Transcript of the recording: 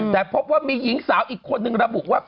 แต่พบว่ามีหญิงสาวอีกคนนึงระบุว่า